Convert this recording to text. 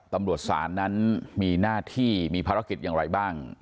ตำรวจศาลนั้นมีหน้าที่มีภารกิจอย่างไรบ้าง